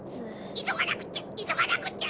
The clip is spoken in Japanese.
いそがなくっちゃいそがなくっちゃ！